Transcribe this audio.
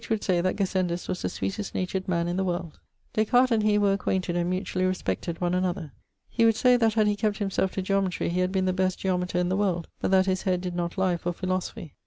would say that Gassendus was the sweetest natured man in the world. Des Cartes and he were acquainted and mutually respected one another. He would say that had he kept himself to Geometry he had been the best geometer in the world but that his head did not lye for philosophy.